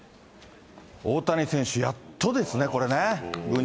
大谷選手、やっとですね、これね。